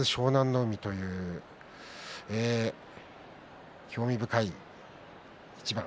海という興味深い一番。